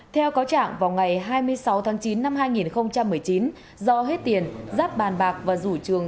theo cáo trạng vào ngày hai mươi sáu tháng chín năm hai nghìn một mươi chín do hết tiền giáp bàn bạc và rủ trường